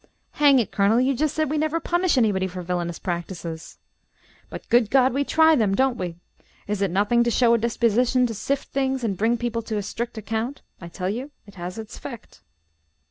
"Hang it, Colonel, you just said we never punish anybody for villainous practices." "But good God we try them, don't we! Is it nothing to show a disposition to sift things and bring people to a strict account? I tell you it has its effect."